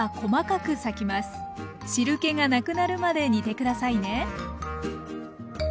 汁けがなくなるまで煮て下さいね。